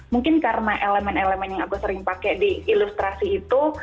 mungkin karena elemen elemen yang aku sering pakai di ilustrasi itu